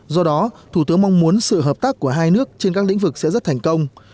do đó thủ tướng mong muốn sự hợp tác của hai nước trên các lĩnh vực sẽ rất thành công